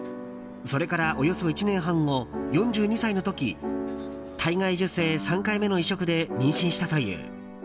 それからおよそ１年半後４２歳の時体外受精３回目の移植で妊娠したという。